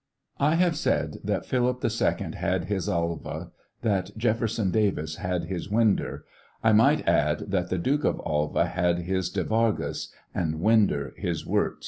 I have said that Phillip II had his Alva, that Jefferson Davis had his Winder, I might add that the Duke of Alva had his De Vargas, and Winder his Wirz.